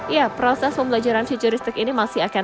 ya proses pembelajaran futuristik ini masih akan